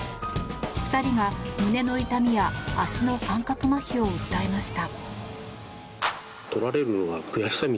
２人が胸の痛みや足の感覚まひを訴えました。